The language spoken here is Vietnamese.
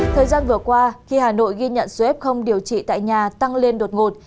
thời gian vừa qua khi hà nội ghi nhận số f điều trị tại nhà tăng lên đột ngột